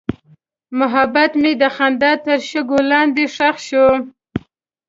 محبت مې د خندا تر شګو لاندې ښخ شو.